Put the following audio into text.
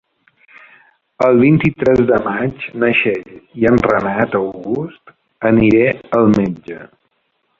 El vint-i-tres de maig na Txell i en Renat August aniré al metge.